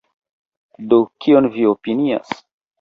Do kion vi opinias?